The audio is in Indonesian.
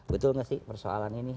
betul nggak sih persoalan ini